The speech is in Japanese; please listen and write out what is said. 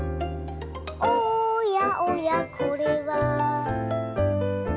「おやおやこれは」